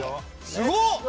すごっ！